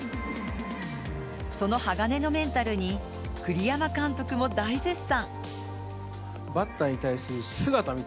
その鋼のメンタルに栗山監督も大絶賛。